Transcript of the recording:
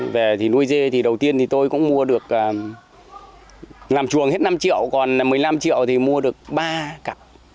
về thì nuôi dê thì đầu tiên thì tôi cũng mua được làm chuồng hết năm triệu còn một mươi năm triệu thì mua được ba cặp